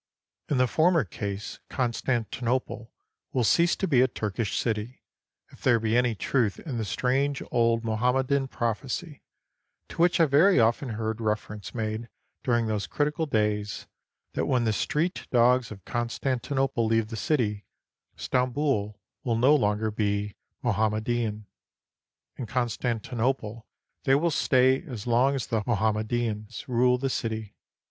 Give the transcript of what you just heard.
In the former case Constantinople will cease to be a Turkish city, if there be any truth in the strange old Mo hammedan prophecy, to which I very often heard refer ence made during those critical days, that when the street dogs of Constantinople leave the city, Stamboul will no longer be Mohammedan. In Constantinople they will stay as long as the Mohammedans rule the city.